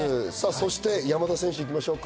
そして山田選手、いきましょうか。